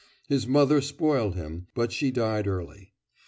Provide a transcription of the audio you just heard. His mother spoiled him, but she died early.